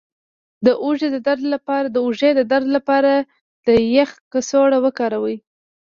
د اوږې د درد لپاره د یخ کڅوړه وکاروئ